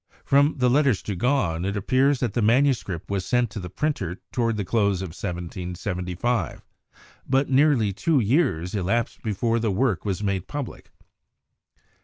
From the letters to Gahn it appears that the manuscript was sent to the printer to ward the close of 1775, but nearly two years elapsed be fore the work was made public.